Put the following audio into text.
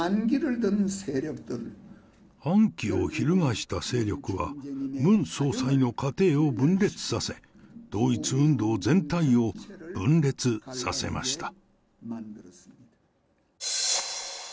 反旗を翻した勢力は、ムン総裁の家庭を分裂させ、統一運動全体を分裂させました。